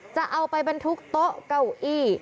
จะเอาไปบรรทุกโต๊ะเก้าอี้